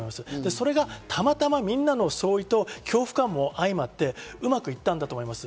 それがたまたまみんなの総意と恐怖感も相まって、うまくいったんだと思います。